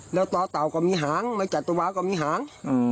แล้วต่อเต่าก็มีหางไม่จัดตัววาก็มีหาง